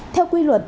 theo quy luật